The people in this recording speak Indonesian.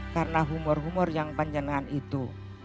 karena umur umur yang panjenengan itu